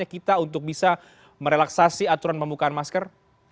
kebijakan pembukaan masker